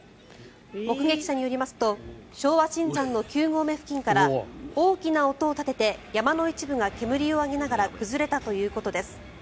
目撃者によりますと昭和新山の９合目付近から大きな音を立てて山の一部が煙を上げながら崩れたということです。